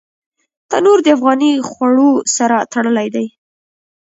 تنور د افغاني خوړو سره تړلی دی